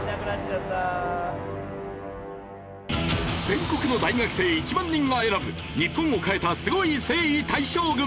全国の大学生１万人が選ぶ日本を変えたスゴい征夷大将軍。